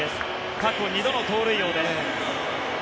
過去２度の盗塁王です。